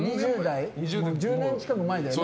１０年近く前だよね。